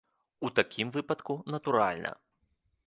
У такім выпадку, натуральна!